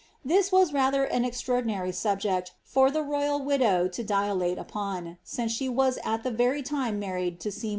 This was rather an extraordinary subject for the royal widow to dilate upon, since she was at the very time married to Sey mour.